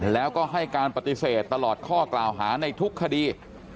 แล้วก็ให้การปฏิเสธตลอดข้อกล่าวหาในทุกคดี